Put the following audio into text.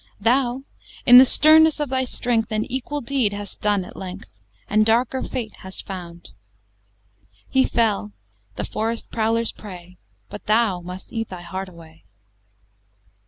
Thou, in the sternness of thy strength, An equal deed hast done at length, And darker fate hast found: He fell, the forest prowler's prey; But thou must eat thy heart away!